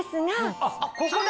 あっここだ！